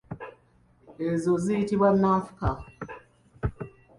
Ezo ziyitibwa nanfuka.